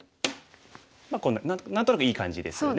まあ何となくいい感じですよね。